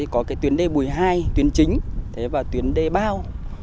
có tuyến đề bùi hai tuyến chính và tuyến đề bao